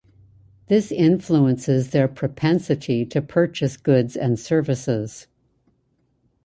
This influences their propensity to purchase goods and services.